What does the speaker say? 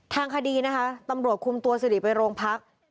ทางคดีนะคะตำรวจคุมตัวสิริไปโรงพัก